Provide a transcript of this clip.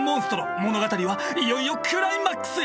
物語はいよいよクライマックスへ！